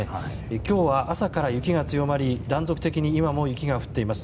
今日は朝から雪が強まり断続的に今も雪が降っています。